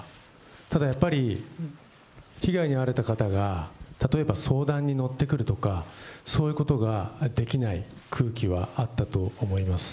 ただやっぱり、被害に遭われた方が、例えば相談に乗ってくるとか、そういったことができない空気はあったと思います。